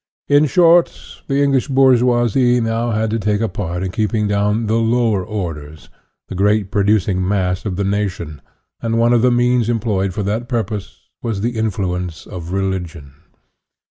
In short, the English bourgeoisie now had to take a part in keeping down the "lower orders," the great producing mass of the nation, and one of the means employed for that purpose was the influence of religion.